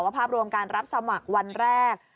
ภาพรวมการรับสมัครวันแรก